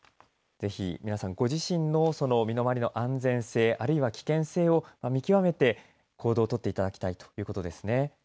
ぜひ、皆さんご自身の身のまわりの安全性あるいは危険性を見極めて行動を取っていただきたいということですね。